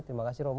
terima kasih romo